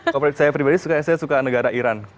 kalau saya pribadi saya suka negara iran